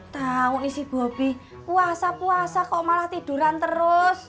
tahu ini si bobby puasa puasa kok malah tiduran terus